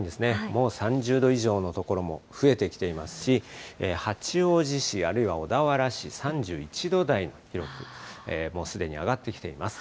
もう３０度以上の所も増えてきていますし、八王子市、あるいは小田原市、３１度台、もうすでに上がってきています。